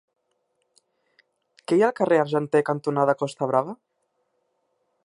Què hi ha al carrer Argenter cantonada Costa Brava?